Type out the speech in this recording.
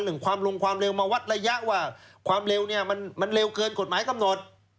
ความลงความเร็วมาวัดระยะว่าความเร็วเนี่ยมันเร็วเกินกฎหมายกำหนด